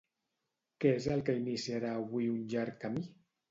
Què és el que iniciarà avui un llarg camí?